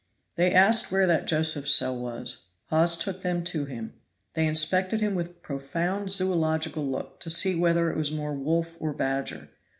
They asked where that Josephs' cell was. Hawes took them to him. They inspected him with a profound zoological look, to see whether it was more wolf or badger.